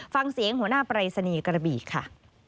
ฟังเสียงหัวหน้าปรายศนีย์กระบี่ค่ะ